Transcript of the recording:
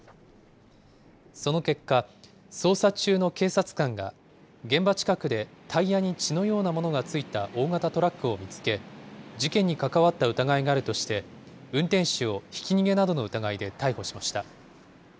その結果、捜査中の警察官が現場近くでタイヤに血のようなものが付いた大型トラックを見つけ、事件に関わった疑いがあるとして、運転手をひき逃げなどの疑いで逮捕しました。